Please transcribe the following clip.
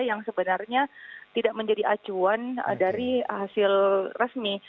yang sebenarnya tidak menjadi acuan dari hasil resmi